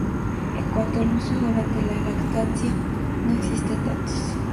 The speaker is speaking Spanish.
En cuanto al uso durante la lactancia, no existen datos.